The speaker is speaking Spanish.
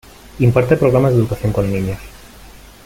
Imparte programas de educación con niños.